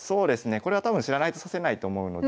これは多分知らないと指せないと思うので。